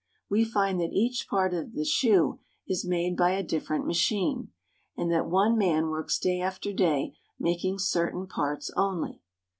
We find that each part of the shoe is made by a different machine, and that one man works day after day making certain parts only.